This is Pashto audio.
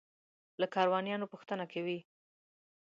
له کاروانیانو پوښتنه کوي.